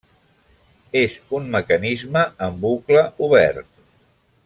És un mecanisme en bucle obert.